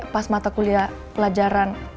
pas mata kuliah pelajaran